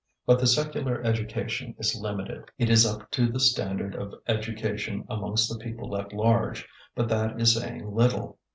But the secular education is limited. It is up to the standard of education amongst the people at large, but that is saying little.